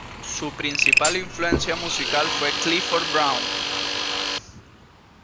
Su principal influencia musical fue Clifford Brown.